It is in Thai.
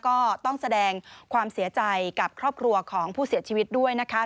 ก็ต้องแสดงความเสียใจกับครอบครัวของผู้เสียชีวิตด้วยนะคะ